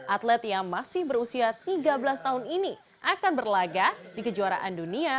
atlet yang masih berusia tiga belas tahun ini akan berlaga di kejuaraan dunia